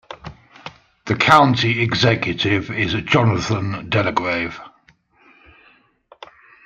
The county executive is Jonathan Delagrave.